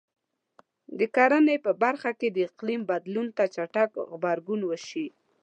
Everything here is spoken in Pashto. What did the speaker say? د کرنې په برخه کې د اقلیم بدلون ته چټک غبرګون وشي.